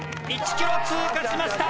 １ｋｍ通過しました。